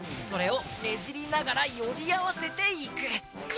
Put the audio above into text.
それをねじりながらよりあわせていく。